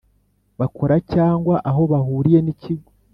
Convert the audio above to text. Bakora cyangwa aho bahuriye n ikigo